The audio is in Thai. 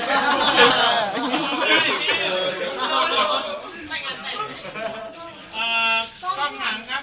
เออต้องถามครับ